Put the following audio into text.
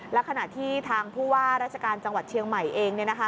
และขณะที่ทางผู้ว่าราชการจังหวัดเชียงใหม่เอง